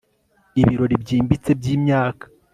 Ibirori byimbitse byimyaka